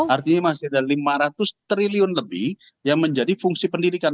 artinya masih ada lima ratus triliun lebih yang menjadi fungsi pendidikan